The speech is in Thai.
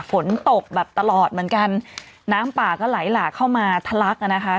ฝนตกแบบตลอดเหมือนกันน้ำป่าก็ไหลหลากเข้ามาทะลักอ่ะนะคะ